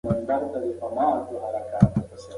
هلک د انا پښې نیسي.